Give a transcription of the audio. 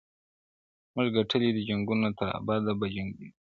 • موږ ګټلی دي جنګونه تر ابده به جنګېږو -